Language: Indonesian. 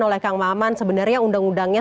oleh kang maman sebenarnya undang undangnya